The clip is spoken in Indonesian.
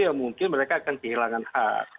ya mungkin mereka akan kehilangan hak